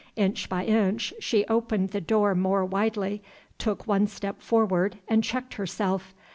Inch by inch she opened the door more widely, took one step forward, and checked herself.